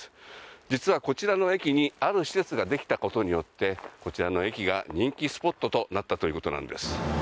実はこちらの駅にある施設ができたことによってこちらの駅が人気スポットとなったということなんです。